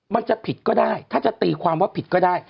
มันจะผิดก็ได้ถ้าจะตีความว่าผิดก็ได้